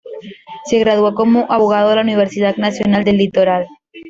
Se graduó como abogado de la Universidad Nacional del Litoral.